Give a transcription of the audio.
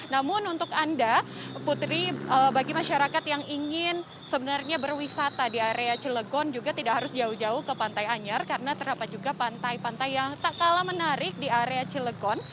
namun untuk anda putri bagi masyarakat yang ingin sebenarnya berwisata di area cilegon juga tidak harus jauh jauh ke pantai anyar karena terdapat juga pantai pantai yang tak kalah menarik di area cilegon